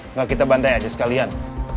enggak kita bandai aja sekalian